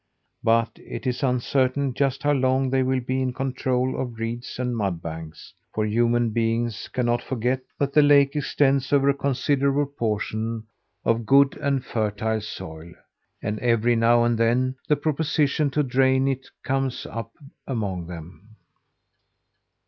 But it is uncertain just how long they will be in control of reeds and mud banks, for human beings cannot forget that the lake extends over a considerable portion of good and fertile soil; and every now and then the proposition to drain it comes up among them.